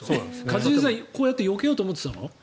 一茂さん、こうやってよけようと思ってたの？